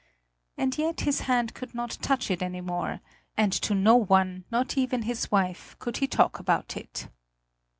And yet his hand could not touch it any more; and to no one, not even his wife, could he talk about it.